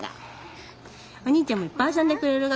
おにいちゃんもいっぱい遊んでくれるが。